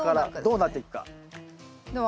どうなっていくか。